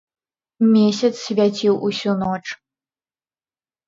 Месяц свяціў усю ноч.